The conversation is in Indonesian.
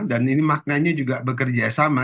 dan ini maknanya juga bekerja sama